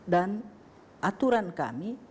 dan aturan kami